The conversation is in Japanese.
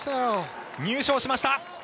入賞しました。